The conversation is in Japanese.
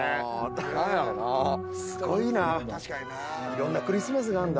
いろんなクリスマスがあるんだ。